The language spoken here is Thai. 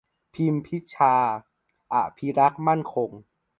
พิมพ์พิชชา อภิรักษ์มั่นคง